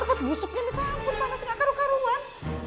tempat busuknya ditampun panas gak karu karuan